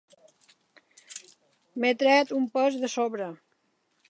M'he tret un pes de sobre.